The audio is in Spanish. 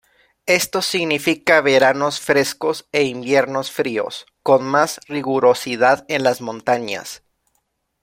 Esto significa veranos frescos e inviernos fríos, con más rigurosidad en las montañas.